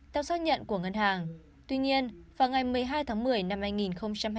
theo xác nhận của ngân hàng tuy nhiên vào ngày một mươi hai tháng một mươi năm hai nghìn hai mươi